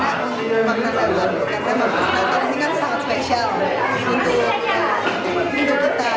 karena natal ini kan sangat spesial untuk kita